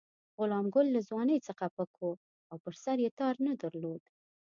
غلام ګل له ځوانۍ څخه پک وو او پر سر یې تار نه درلود.